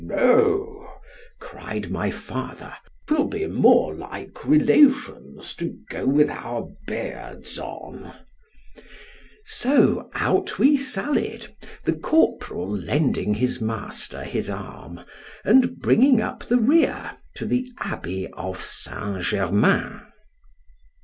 no—cried my father—'twill be more like relations to go with our beards on—So out we sallied, the corporal lending his master his arm, and bringing up the rear, to the abbey of Saint _Germain.